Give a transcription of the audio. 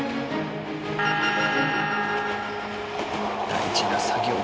大事な作業だ。